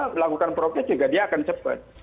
melakukan progres juga dia akan cepat